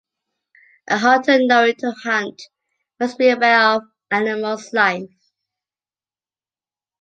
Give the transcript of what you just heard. A hunter knowing to hunt must be aware of animals life